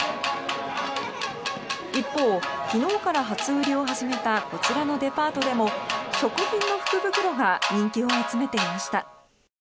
一方、昨日から初売りを始めたこちらのデパートでも食品の福袋が人気を集めていました。